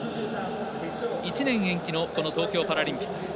１年延期の東京パラリンピック。